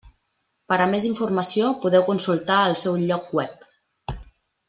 Per a més informació podeu consultar el seu lloc web.